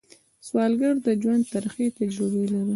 سوالګر د ژوند ترخې تجربې لري